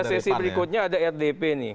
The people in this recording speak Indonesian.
karena pada sesi berikutnya ada rdp nih